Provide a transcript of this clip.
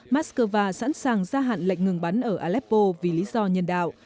moscow sẵn sàng gia hạn lệnh ngừng bắn ở aleppo vì lý do nhân đạo